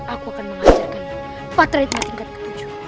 aku akan mengajarkanmu patra hitam tingkat ke tujuh